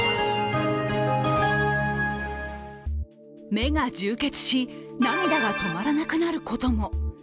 目が充血し、涙が止まらなくなることも。